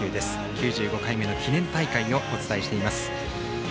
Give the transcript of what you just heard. ９５回目の記念大会をお伝えしています。